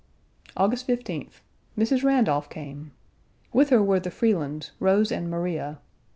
August 15th. Mrs. Randolph came. With her were the Freelands, Rose and Maria.